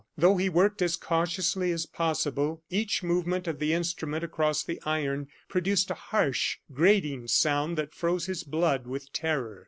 Though he worked as cautiously as possible, each movement of the instrument across the iron produced a harsh, grating sound that froze his blood with terror.